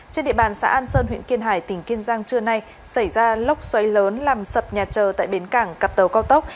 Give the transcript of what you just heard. trên địa bàn xã an sơn huyện kiên hải tỉnh kiên giang trưa nay xảy ra lốc xoáy lớn làm sập nhà trờ tại bến cảng cặp tàu cao tốc